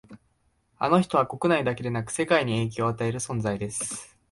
あの人は国内だけでなく世界に影響を与える存在です